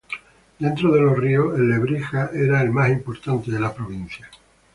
Dentro de los ríos, el Lebrija era el más importante de la provincia.